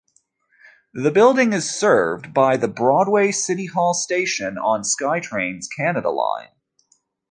The building is served by the Broadway-City Hall station on SkyTrain's Canada Line.